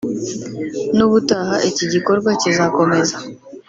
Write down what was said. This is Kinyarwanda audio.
« N’ubutaha iki gikorwa kizakomeza